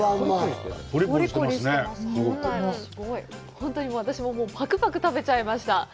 本当に私もパクパク食べちゃいました。